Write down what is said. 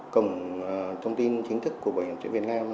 cổng thông tin chính thức của bảo hiểm xã hội việt nam